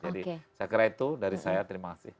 jadi saya kira itu dari saya terima kasih